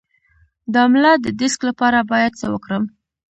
د ملا د ډیسک لپاره باید څه وکړم؟